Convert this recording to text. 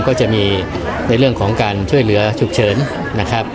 ก็จะมีในเรื่องของการช่วยเหลือฉุกเฉินนะครับ